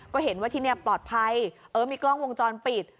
ก็เห็นว่าที่นี่ปลอดภัยเออมีกล้องวงจรปิด